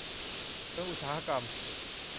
เมืองอุตสาหกรรม